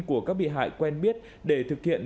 của các bị hại quen biết để thực hiện